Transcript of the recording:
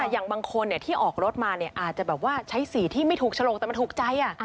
อย่างบางคนเนี่ยที่ออกรถมาเนี่ยอาจจะแบบว่าใช้สีที่ไม่ถูกชะลงแต่มันถูกใจอ่ะ